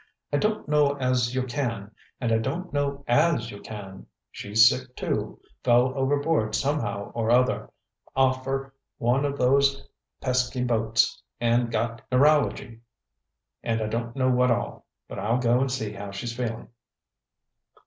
"I don't know as you can, and I don't know as you can. She's sick, too; fell overboard somehow or other, offer one of those pesky boats, and got neuralagy and I don't know what all. But I'll go and see how she's feeling."